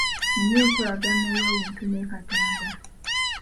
Nnina enkolagana ey'obuntu ne katonda.